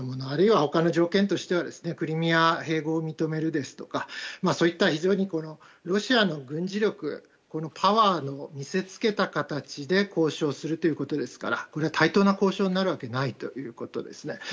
あるいは他の条件としてはクリミア併合を認めるですとか、そういった非常にロシアの軍事力パワーを見せつけた形で交渉するということですから対等な交渉になるわけはないということですね。